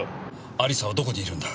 亜里沙はどこにいるんだ？